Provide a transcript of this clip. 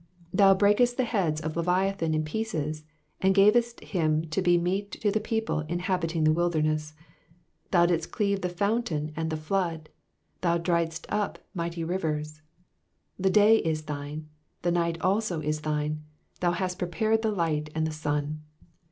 14 Thou brakest the heads of leviathan in pieces, and gavest him to be meat to the people inhabiting the wilderness. 15 Thou didst cleave the fountain and the flood : thou driedst up mighty rivers. 16 The day is thine, the night also is thine : thou hast pre pared the light and the sun.